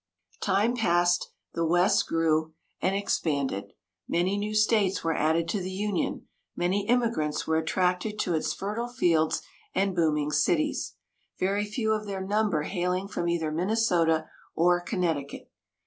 Time passed; the West grew and expanded; many new states were added to the Union; many immigrants were attracted to its fertile fields and booming cities, very few of their number hailing from either Minnesota or Connecticut.